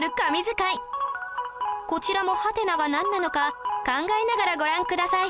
という事でこちらもハテナがなんなのか考えながらご覧ください